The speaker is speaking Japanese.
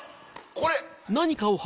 これ。